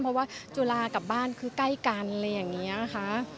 เพราะว่าจุฬากับบ้านคือใกล้กันอะไรอย่างนี้นะคะ